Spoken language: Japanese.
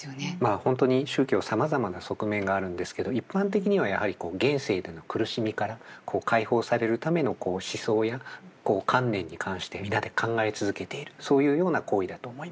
本当に宗教はさまざまな側面があるんですけど一般的にはやはり現世での苦しみから解放されるための思想や観念に関して皆で考え続けているそういうような行為だと思います。